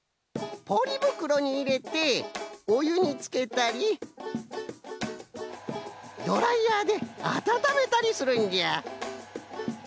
ポリぶくろにいれておゆにつけたりドライヤーであたためたりするんじゃ。